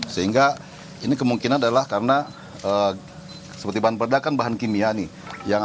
sehingga ini kemungkinan adalah karena seperti bahan peledak kan bahan kimia nih